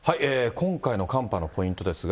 今回の寒波のポイントですが。